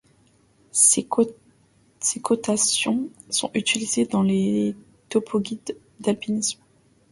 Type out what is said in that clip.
Ces cotations sont utilisées dans les topoguides d'alpinisme.